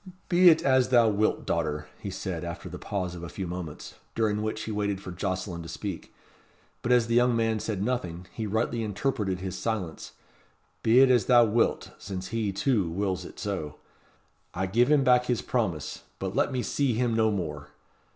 "Be it as thou wilt, daughter," he said, after the pause of a few moments, during which he waited for Jocelyn to speak; but, as the young man said nothing, he rightly interpreted his silence, "be it as thou wilt, since he, too, wills it so. I give him back his promise. But let me see him no more."